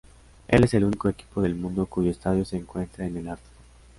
Es el único equipo del mundo cuyo estadio se encuentra en el ártico.